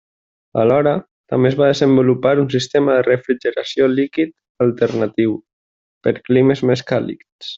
Alhora també es va desenvolupar un sistema de refrigeració líquid alternatiu, per climes més càlids.